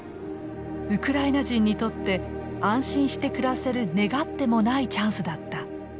ウクライナ人にとって安心して暮らせる願ってもないチャンスだった。